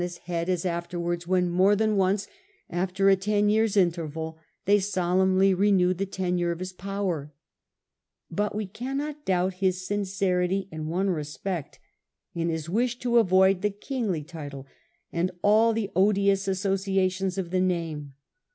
D. 14. Augusts. II his head, as afterwards when, more than once, after a ten years' interval, they solemnly renewed the tenure of his power. But we cannot doubt his sincerity in one respect — in his wish to avoid the kingly title and all the odious associations of the name.